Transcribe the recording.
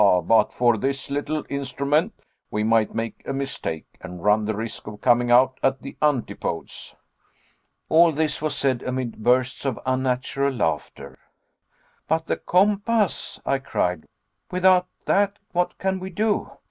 but for this little instrument we might make a mistake, and run the risk of coming out at the antipodes!" All this was said amid bursts of unnatural laughter. "But the compass," I cried, "without that what can we do?"